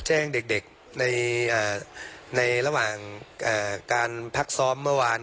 แจ้งเด็กในระหว่างการพักซ้อมเมื่อวาน